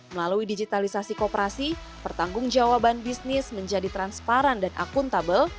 melalui digitalisasi koperasi pertanggungjawaban bisnis menjadi transparan dan akuntabel